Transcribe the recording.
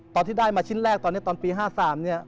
ตอนที่ได้มาชิ้นแรกตอนนี้ตอนปี๑๙๕๓